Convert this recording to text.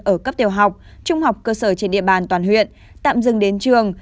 ở cấp tiểu học trung học cơ sở trên địa bàn toàn huyện tạm dừng đến trường